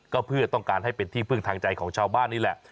ก็เพื่อต้องการให้เป็นที่พึ่งทางใจของชาวบ้านนี่แหละ